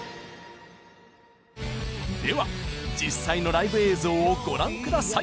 では実際のライブ映像をご覧ください